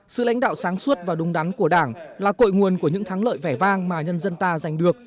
sự lãnh đạo sáng suốt và đúng đắn của đảng là cội nguồn của những thắng lợi vẻ vang mà nhân dân ta giành được